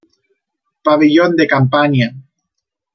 Pabellón de Campania.